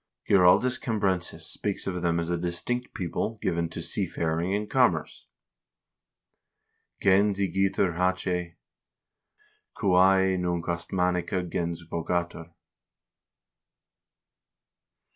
Giraldus Cam brensis speaks of them as a distinct people given to seafaring and commerce ("gens igitur haec, quae nunc Ostmannica gens vocatur").